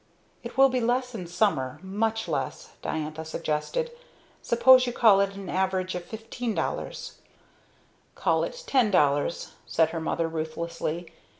"It will be less in summer much less," Diantha suggested. "Suppose you call it an average of $15.00." "Call it $10.00," said her mother ruthlessly.